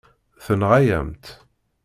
Tenɣa-yam-tt.